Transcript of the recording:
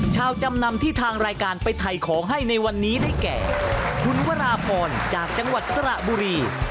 จำนำที่ทางรายการไปถ่ายของให้ในวันนี้ได้แก่คุณวราพรจากจังหวัดสระบุรี